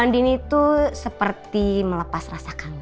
bu andi ini tuh seperti melepas rasa kangen